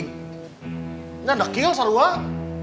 nggak dekil seluah